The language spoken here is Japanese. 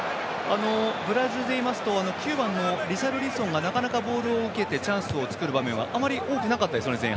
ブラジルでいいますと９番のリシャルリソンがなかなか、ボールを受けてチャンスを作る場面、前半あまり多くなかったですね。